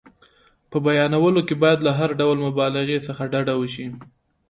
په بیانولو کې باید له هر ډول مبالغې څخه ډډه وشي.